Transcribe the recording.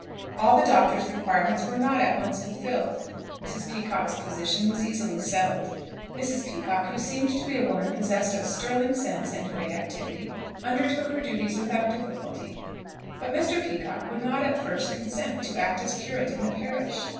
All the Doctor's requirements were not at once fulfilled. Mrs. Peacocke's position was easily settled. Mrs. Peacocke, who seemed to be a woman possessed of sterling sense and great activity, undertook her duties without difficulty. But Mr. Peacocke would not at first consent to act as curate in the parish.